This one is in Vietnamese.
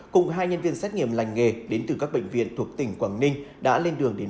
cùng hai nhân viên xét nghiệm lành nghề đến từ các bệnh viện thuộc tỉnh quảng ninh đã lên đường đến